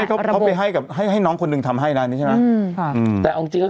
เขาไปให้น้องคนหนึ่งทำให้อันนี้ใช่มั้ย